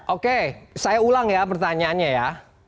oke saya ulang ya pertanyaannya ya